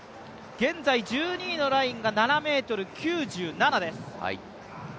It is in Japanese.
現在１２位のラインが７ｍ９７です。